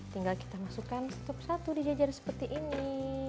tinggal kita masukkan satu persatu di jajar seperti ini